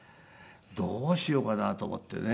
どうしようかなと思ってね。